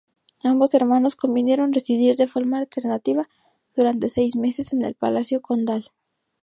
Ambos hermanos convinieron residir de forma alternativa durante seis meses en el palacio condal.